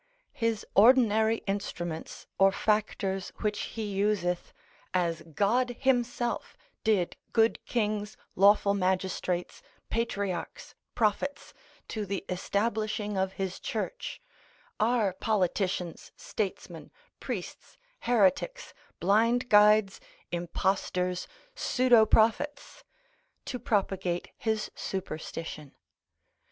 His ordinary instruments or factors which he useth, as God himself, did good kings, lawful magistrates, patriarchs, prophets, to the establishing of his church, are politicians, statesmen, priests, heretics, blind guides, impostors, pseudoprophets, to propagate his superstition.